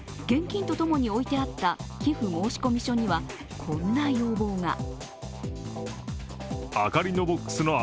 現金と共に置いてあった寄付申込書にはこんな要望が。